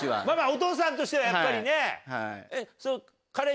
お父さんとしてはやっぱりね。